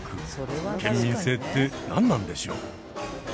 県民性って何なんでしょう。